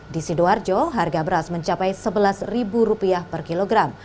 di sidoarjo harga beras mencapai rp sebelas per kilogram